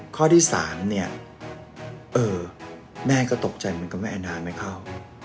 ข้อที่สามเนี่ยแม่ก็ตกใจเหมือนกับแม่น้าไม่เข้า